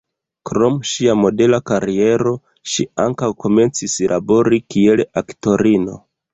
Krom ŝia modela kariero, ŝi ankaŭ komencis labori kiel aktorino.